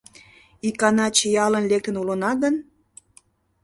Икана чиялын лектын улына гын